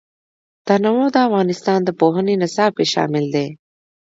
تنوع د افغانستان د پوهنې نصاب کې شامل دي.